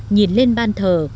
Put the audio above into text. nhìn lên bàn thờ